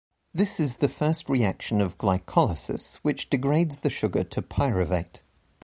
This is the first reaction of glycolysis, which degrades the sugar to pyruvate.